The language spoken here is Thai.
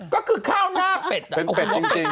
ก็คือข้าวหน้าเป็ดเอาคนบอกเป็ดเลยอ่ะเป็นเป็ดจริง